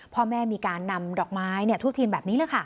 พ่อแม่มีการนำดอกไม้ทุกทีแบบนี้